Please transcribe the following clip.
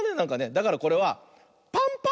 だからこれは「パンパン」。